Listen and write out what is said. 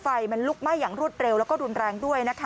ไฟมันลุกไหม้อย่างรุดเร็วแล้วก็ดุ้นแรง